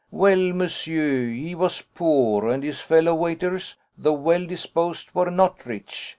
"Well, monsieur, he was poor, and his fellow waiters, though well disposed, were not rich.